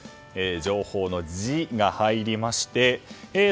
情報の「ジ」が入りまして。